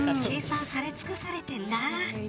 計算されつくされてるな。